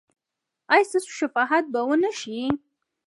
ایا ستاسو شفاعت به و نه شي؟